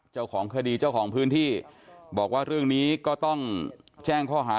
เจ้าของคดีเจ้าของพื้นที่บอกว่าเรื่องนี้ก็ต้องแจ้งข้อหา